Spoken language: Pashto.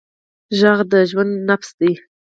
غږ د ژوند نبض دی